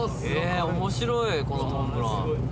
面白いこのモンブラン。